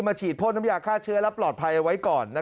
ฉีดพ่นน้ำยาฆ่าเชื้อและปลอดภัยเอาไว้ก่อน